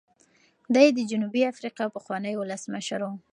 دی د جنوبي افریقا پخوانی ولسمشر و.